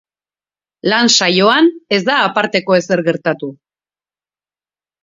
Lan saioan ez da aparteko ezer gertatu.